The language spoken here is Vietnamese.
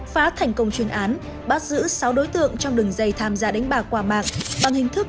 phá thành công chuyên án bắt giữ sáu đối tượng trong đường dây tham gia đánh bạc qua mạng bằng hình thức